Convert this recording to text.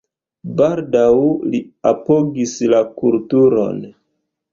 Baldaŭ li apogis la kulturon.